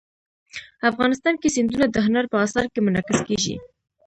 افغانستان کې سیندونه د هنر په اثار کې منعکس کېږي.